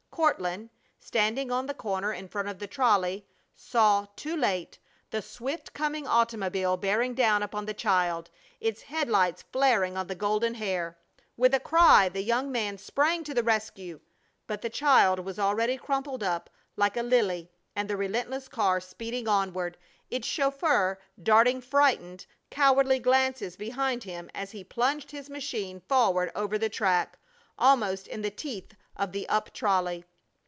Courtland, standing on the corner in front of the trolley, saw, too late, the swift coming automobile bearing down upon the child, its head lights flaring on the golden hair. With a cry the young man sprang to the rescue, but the child was already crumpled up like a lily and the relentless car speeding onward, its chauffeur darting frightened, cowardly glances behind him as he plunged his machine forward over the track, almost in the teeth of the up trolley.